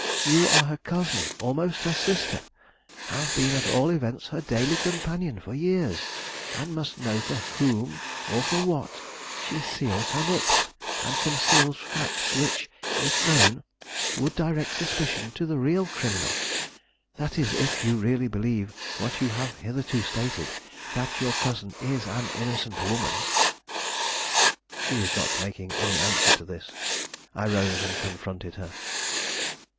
You are her cousin, almost her sister, have been at all events her daily companion for years, and must know for whom or for what she seals her lips, and conceals facts which, if known, would direct suspicion to the real criminal that is, if you really believe what you have hitherto stated, that your cousin is an innocent woman." She not making any answer to this, I rose and confronted her.